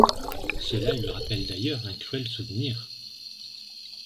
Cela lui rappelle d'ailleurs un cruel souvenir.